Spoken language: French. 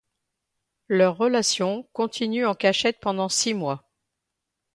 Leur relation continue en cachette pendant six mois.